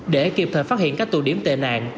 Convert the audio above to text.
để kịp thời phát hiện các tụ điểm tệ nạn